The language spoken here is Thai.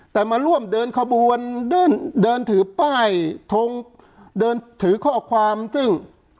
แต่มาร่วมเดินขบวนเดินเดินถือป้ายทงเดินถือข้อความซึ่ง